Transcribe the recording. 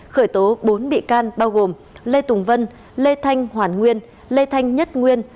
khởi tố bốn bị can bao gồm lê tùng vân lê thanh hoàn nguyên lê thanh nhất nguyên